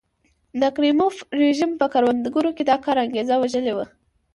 د کریموف رژیم په کروندګرو کې د کار انګېزه وژلې وه.